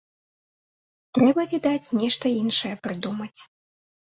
Трэба, відаць, нешта іншае прыдумаць.